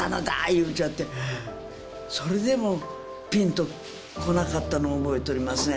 言うちゃってそれでもピンとこなかったの覚えとりますね